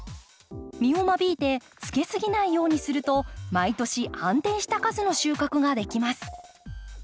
実を間引いてつけすぎないようにすると毎年安定した数の収穫ができます。